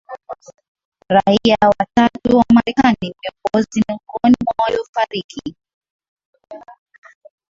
raia ya watatu wa marekani ni miongozi miongoni mwa waliofariki